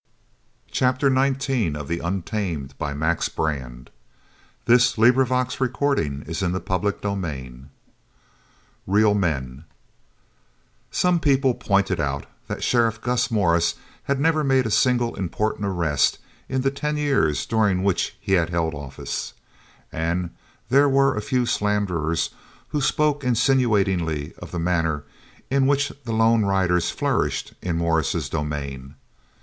t called: "Keep bunched behind me. We're headed for the old Salton place an' a long rest." CHAPTER XIX REAL MEN Some people pointed out that Sheriff Gus Morris had never made a single important arrest in the ten years during which he had held office, and there were a few slanderers who spoke insinuatingly of the manner in which the lone riders flourished in Morris's domain.